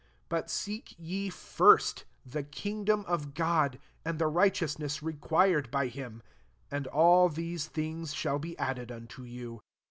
33 But seek ye first the kingdom of God, and the righteousness required by him ; and all these things shall be added unto you.